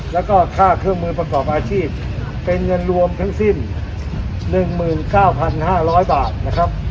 แล้วก็ค่าเครื่องมือประกอบอาชีพเป็นเงินรวมทั้งสิ้นหนึ่งหมื่นเก้าพันห้าร้อยบาทนะครับ